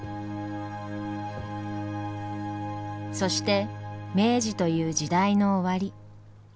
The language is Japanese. そして明治という時代の終わり。